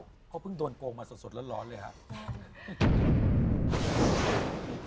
เขาเพิ่งโดนโกงมาสดร้อนเลยครับ